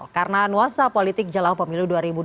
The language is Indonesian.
karena nuasa politik jelang pemilu dua ribu dua puluh empat